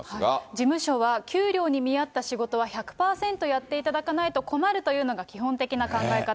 事務所は給料に見合った仕事は１００％やっていただかないと困るというのが基本的な考え方。